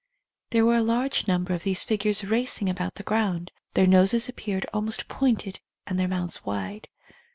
There were a large number of these figures racing about the ground. Their noses ap peared almost pointed and their mouths wide.